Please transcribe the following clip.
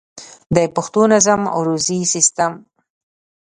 د پښتو نظم عروضي سيسټم